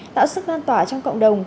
tạo sức an toàn trong cộng đồng